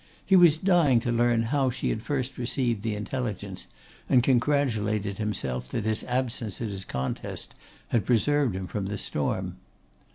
He was dying to learn how she had first received the intelligence, and congratulated himself that his absence at his contest had preserved him from the storm.